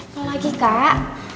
mau lagi kak